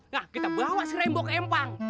nah kita bawa si rambo ke empang